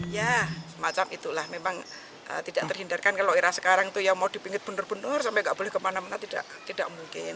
ya semacam itulah memang tidak terhindarkan kalau era sekarang itu ya mau dipingit benar benar sampai nggak boleh kemana mana tidak mungkin